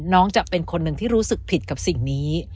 จะเป็นคนหนึ่งที่รู้สึกผิดกับสิ่งนี้